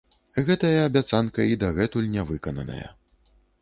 Гэтая абяцанка і дагэтуль нявыкананая.